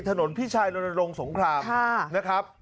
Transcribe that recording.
ถนนพี่ชายโดนโรงสงครามนะครับ